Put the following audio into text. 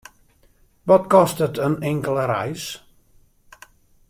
Wat kostet in inkelde reis?